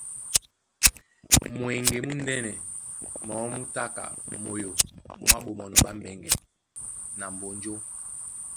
Mweŋge múndɛ̄nɛ mɔɔ́ mú tá ka moyo mwá Ɓomɔnɔ ɓá Mbɛŋgɛ na Mbonjó.